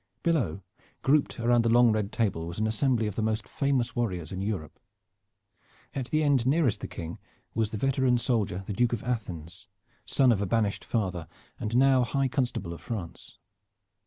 Below, grouped around the long red table, was an assembly of the most famous warriors in Europe. At the end nearest the King was the veteran soldier the Duke of Athens, son of a banished father, and now High Constable of France.